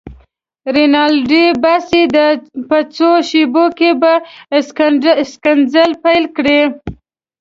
رینالډي: بس یې ده، په څو شېبو کې به ښکنځل پيل شي.